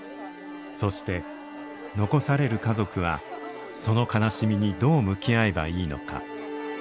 そして残される家族はその悲しみにどう向き合えばいいのか。